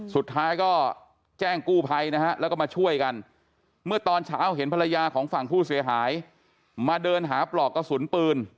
สุดท้ายก็แจ้งกู้ภัยนะฮะแล้วก็มาช่วยกันเมื่อตอนเช้าเห็นภรรยาของฝั่งผู้เสียหายมาเดินหาปลอกกระสุนปืน